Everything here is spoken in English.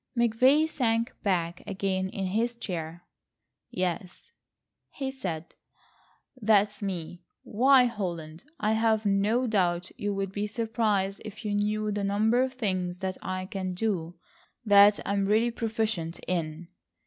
McVay sank back again in his chair. "Yes," he said, "that's me. Why, Holland, I have no doubt you would be surprised if you knew the number of things that I can do—that I am really proficient in.